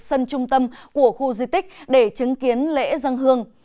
sân trung tâm của khu di tích để chứng kiến lễ dân hương